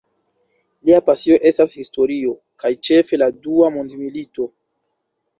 Lia pasio estas historio, kaj ĉefe la Dua mondmilito.